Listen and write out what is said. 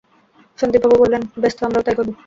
সন্দীপবাবু বললেন, বেশ তো আমরাও তাই করব।